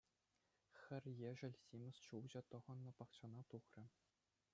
Хӗр ешӗл симӗс ҫулҫӑ тӑхӑннӑ пахчана тухрӗ.